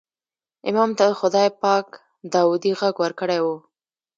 امام ته خدای پاک داودي غږ ورکړی و.